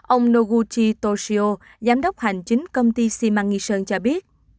ông noguchi toshio giám đốc hành chính công ty xi măng nghi sơn cho biết